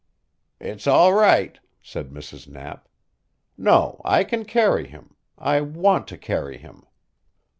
"It's all right," said Mrs. Knapp. "No I can carry him I want to carry him."